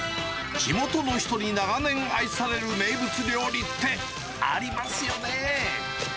地元の人に長年愛される名物料理ってありますよね。